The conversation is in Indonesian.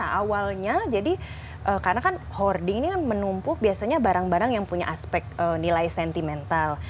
jadi awalnya jadi karena kan hoarding ini kan menumpuh biasanya barang barang yang punya aspek nilai sentimental